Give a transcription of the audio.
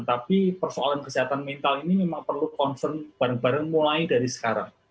tapi persoalan kesehatan mental ini memang perlu concern bareng bareng mulai dari sekarang